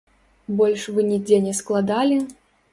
Больш вы нідзе не складалі?